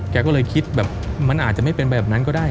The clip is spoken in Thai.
แกก็เลยคิดแบบมันอาจจะไม่เป็นไปแบบนั้นก็ได้